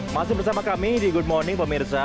masih bersama kami di good morning pemirsa